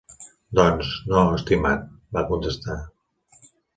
"Doncs... no, estimat", va contestar.